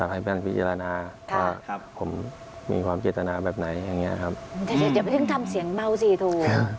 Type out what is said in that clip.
บ้านพิจารณาค่ะครับผมมีความกินจริงแบบนั้นเองก็เข้าไปจึงทำเสียงเงาสีทูม